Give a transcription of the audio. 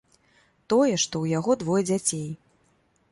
Тое, што ў яго двое дзяцей.